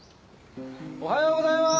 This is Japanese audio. おはようございます！